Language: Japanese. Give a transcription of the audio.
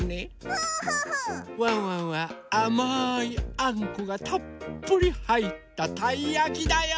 ワンワンはあまいあんこがたっぷりはいったたいやきだよ！